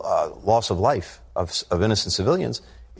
dalam hal kehilangan nyawa orang orang yang tidak bersalah